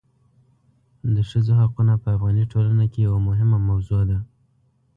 د ښځو حقونه په افغاني ټولنه کې یوه مهمه موضوع ده.